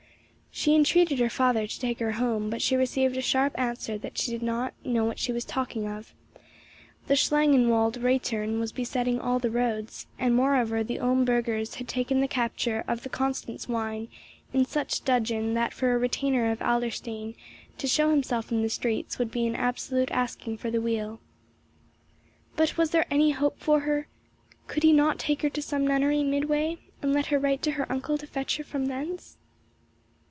She entreated her father to take her home, but she received a sharp answer that she did not know what she was talking of: the Schlangenwald Reitern were besetting all the roads; and moreover the Ulm burghers had taken the capture of the Constance wine in such dudgeon that for a retainer of Adlerstein to show himself in the streets would be an absolute asking for the wheel. But was there any hope for her? Could he not take her to some nunnery midway, and let her write to her uncle to fetch her from thence?